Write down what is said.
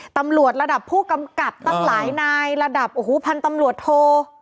ตำรวจระดับผู้กำกับตั้งหลายนายระดับโอ้โหพันธุ์ตำรวจโท